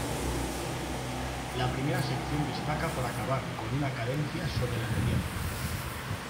La primera sección destaca por acabar con una cadencia sobre la mediante.